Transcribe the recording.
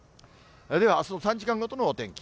では、あすの３時間ごとのお天気。